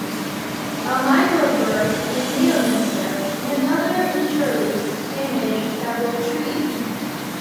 A microburst in Leominster and another in Shirley damaged several trees.